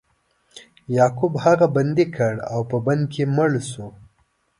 یعقوب هغه بندي کړ او په بند کې مړ شو.